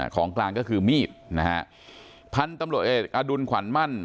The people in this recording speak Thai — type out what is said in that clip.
ของกลางก็คือมีดนะฮะพันธุ์ตำรวจเอกอดุลขวัญมั่น